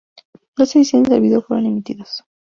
Dos ediciones del vídeo fueron emitidos.